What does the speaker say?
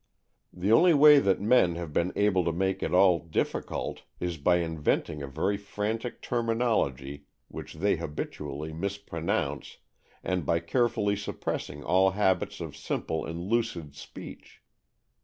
The only way that men have been able to make it at all difficult is by inventing a very frantic terminology which they habitually mispronounce, and by carefully suppressing all habit of simple and lucid speech.